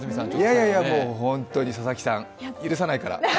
いやいや、もう本当に佐々木さん、許さないから。